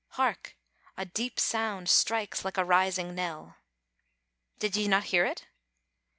hark! a deep sound strikes like a rising knell! Did ye not hear it?